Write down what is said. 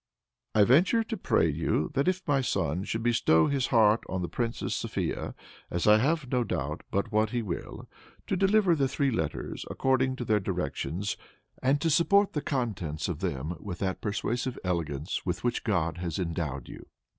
I venture to pray you, that if my son should bestow his heart on the Princess Sophia, as I have no doubt but what he will, to deliver the three letters according to their directions, and to support the contents of them with that persuasive eloquence with which God has endowed you.